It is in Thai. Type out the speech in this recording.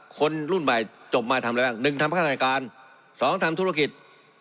คนรุ่นใหม่จบมาทำอะไรแหละหนึ่งทำค่าหน้าจ้างสองทำธุรกิจ